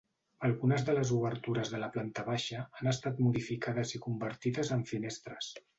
Algunes de les obertures de la planta baixa han estat modificades i convertides en finestres.